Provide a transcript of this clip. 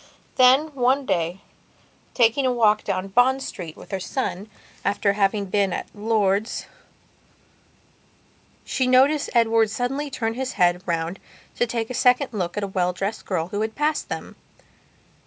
Then, one day, taking a walk down Bond Street with her son, after having been at Lord's, she noticed Edward suddenly turn his head round to take a second look at a well dressed girl who had passed them.